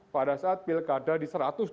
pada saat pilkada di satu ratus tujuh puluh satu